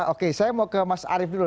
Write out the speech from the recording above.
oke saya mau ke mas arief dulu